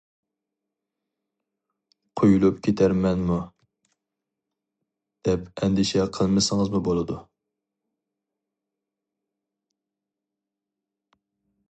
قۇيۇلۇپ كېتەرمەنمۇ دەپ ئەندىشە قىلمىسىڭىزمۇ بولىدۇ.